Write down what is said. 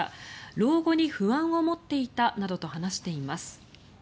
老後に不安を持っていたなどと話しています。